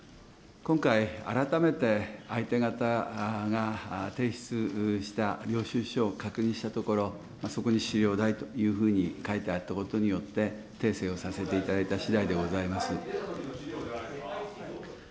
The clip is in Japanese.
今回、改めて相手方が提出した領収書を確認したところ、そこに資料代というふうに書いてあったことによって、訂正をさせていただいたしだいでございます。